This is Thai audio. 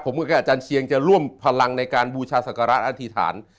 ผมกับอาจารย์เชียงจะร่วมพลังในการบูชาศักระอธิษฐาน